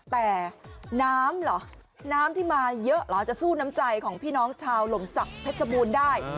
แต่น้ำเหรอน้ำที่มาเยอะเหรอจะสู้น้ำใจของพี่น้องชาวหลมศักดิ์เพชรบูรณ์ได้